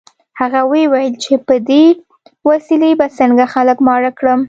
هغه ویې ویل چې په دې وسیلې به څنګه خلک ماړه کړم